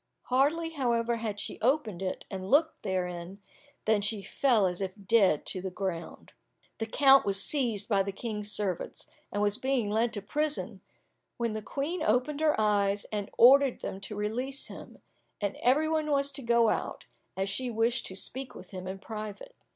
Hardly, however, had she opened it, and looked therein, than she fell as if dead to the ground. The count was seized by the King's servants, and was being led to prison, when the Queen opened her eyes, and ordered them to release him, and every one was to go out, as she wished to speak with him in private.